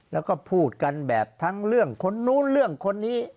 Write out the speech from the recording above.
แล้วก็พูดกันแบบทั้งเรื่องคนนู้นเรื่องคนนี้